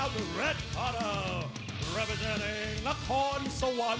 รับทรัพย์ของนัทธรรมสุวรรณ